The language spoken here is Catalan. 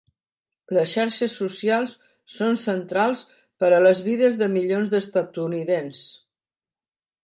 Les xarxes socials són centrals per a les vides de milions d’estatunidencs.